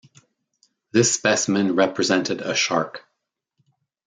This specimen represented a shark.